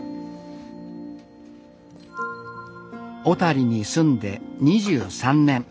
小谷に住んで２３年。